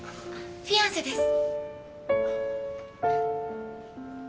フィアンセです。